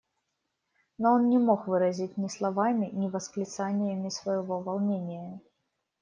Но он не мог выразить ни словами, ни восклицаниями своего волнения.